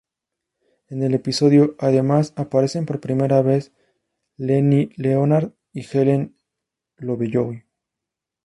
En el episodio, además, aparecen por primera vez Lenny Leonard y Helen Lovejoy.